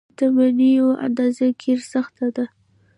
شتمنيو اندازه ګیري سخته ده.